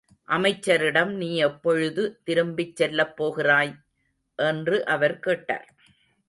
அமைச்சரிடம் நீ எப்பொழுது திரும்பிச்செல்லப் போகிறாய்? என்று அவர் கேட்டார்.